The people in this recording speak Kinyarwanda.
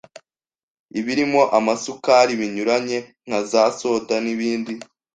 ibirimo amasukari binyuranye nka za soda n’ibindi.